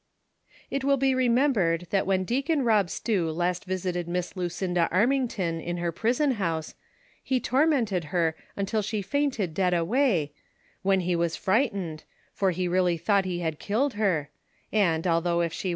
T will bo remembered thnt when Deacon Pioli Stew last visited Miss Lucinda Armington iu her prison house, he tormented her until she fainted dead away, w^hen he was frightened, for he ieally thought lie had killed her, and, although, if slie THE CONSPIRATORS AND LOVERS.